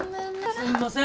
すんません